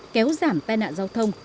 kéo giảm tai nạn giao thông